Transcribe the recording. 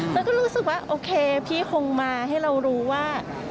แล้วก็รู้สึกว่าโอเคพี่คงมาให้เรารู้ว่า